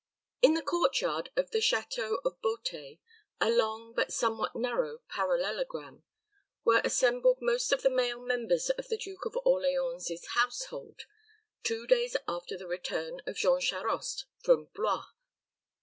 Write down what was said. In the court yard of the château of Beauté a long, but somewhat narrow parallelogram were assembled most of the male members of the Duke of Orleans's household, two days after the return of Jean Charost from Blois.